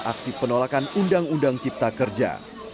aksi penolakan undang undang cipta kerja